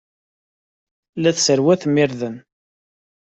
La tesserwatemt irden.